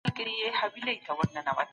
ملکيت د ژوند د پرمختګ لار ده.